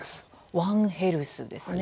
ワンヘルスですね。